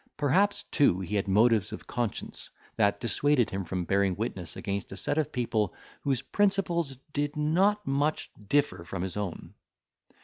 Perhaps too he had motives of conscience, that dissuaded him from bearing witness against a set of people whose principles did not much differ from his own.